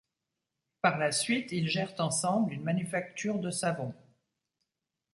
Par la suite ils gèrent ensemble une manufacture de savon.